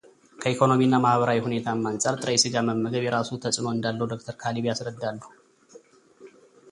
ከኢኮኖሚ እና ማኅበራዊ ሁኔታም አንጻር ጥሬ ሥጋ መመገብ የራሱ ተጽዕኖ እንዳለው ዶክተር ካሌብ ያስረዳሉ።